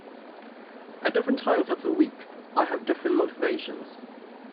At different times of the week I have different motivations.